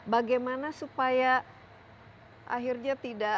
bagaimana supaya akhirnya tidak